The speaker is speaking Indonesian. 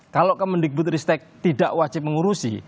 kalau kemendikbud ristek tidak wajib mengurusi